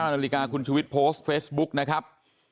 นาฬิกาคุณชุวิตโพสต์เฟซบุ๊กนะครับ